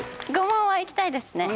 ５問はいきたいですね。